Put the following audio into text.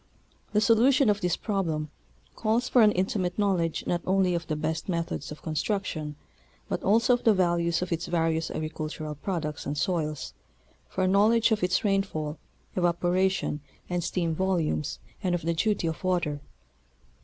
The solution of this problem calls for an intimate knowledge not only of the best methods of construction, but also of the values of its various agricultural products and soils ; for a knowledge of its rainfall, evaporation, and steam volumes and of the duty of water.